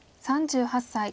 ３８歳。